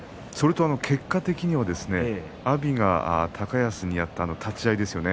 結果的に阿炎が高安にあった立ち合いです。